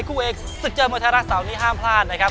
คู่เอกศึกเจอมวยไทยรัฐเสาร์นี้ห้ามพลาดนะครับ